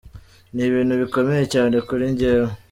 Ni ibintu bikomeye cyane kuri njyewe.